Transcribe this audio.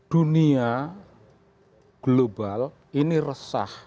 dunia global ini resah